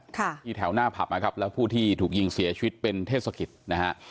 ค่ะที่แถวหน้าผับนะครับแล้วผู้ที่ถูกยิงเสียชีวิตเป็นเทศกิจนะฮะ